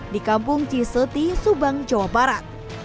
di kampung ciseti subang jawa barat